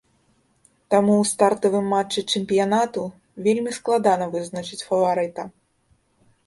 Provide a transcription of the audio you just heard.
Таму ў стартавым матчы чэмпіянату вельмі складана вызначыць фаварыта.